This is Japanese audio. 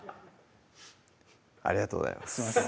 ありがとうございます